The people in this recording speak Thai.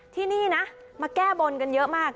ที่นี่นะมาแก้บนกันเยอะมาก